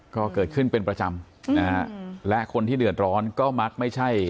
ก็เกิดขึ้นเป็นประจำนะฮะและคนที่เดือดร้อนก็มักไม่ใช่